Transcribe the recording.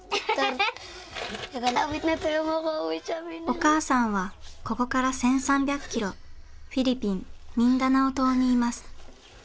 お母さんはここから１，３００ｋｍフィリピンミンダナオ島にいます。